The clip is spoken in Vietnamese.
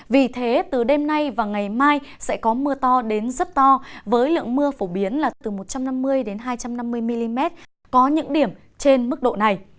vì thế từ đêm nay và ngày mai sẽ có mưa to đến rất to với lượng mưa phổ biến là từ một trăm năm mươi hai trăm năm mươi mm có những điểm trên mức độ này